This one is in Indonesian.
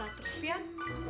lalu terus pian